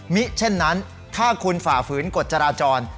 เช่นนั้นถ้าคุณฝ่าฝืนกฎจราจร